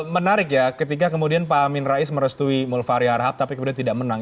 menarik ya ketika kemudian pak amin rais merestui mulfari harhab tapi kemudian tidak menang